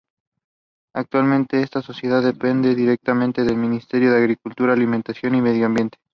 Actualmente esta sociedad depende directamente del Ministerio de Agricultura, Alimentación y Medio Ambiente.